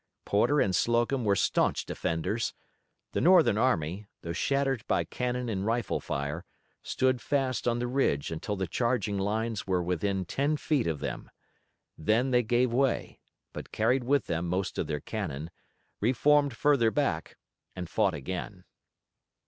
Porter and Slocum were staunch defenders. The Northern army, though shattered by cannon and rifle fire, stood fast on the ridge until the charging lines were within ten feet of them. Then they gave way, but carried with them most of their cannon, reformed further back, and fought again.